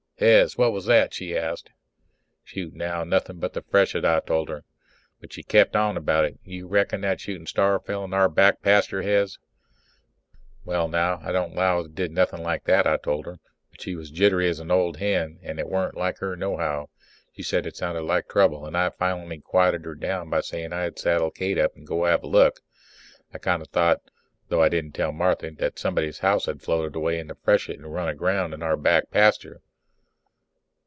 "Hez, what was that?" she asked. "Shoot, now, nothing but the freshet," I told her. But she kept on about it. "You reckon that shooting star fell in our back pasture, Hez?" "Well, now, I don't 'low it did nothing like that," I told her. But she was jittery as an old hen and it weren't like her nohow. She said it sounded like trouble and I finally quietened her down by saying I'd saddle Kate up and go have a look. I kind of thought, though I didn't tell Marthy, that somebody's house had floated away in the freshet and run aground in our back pasture.